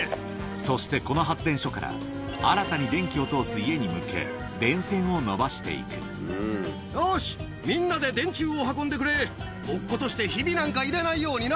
そしてこの発電所から、新たに電気を通す家に向け、よし、みんなで電柱を運んでくれ。落っことしてひびなんかいれないようにな。